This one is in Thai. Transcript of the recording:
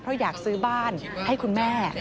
เพราะอยากซื้อบ้านให้คุณแม่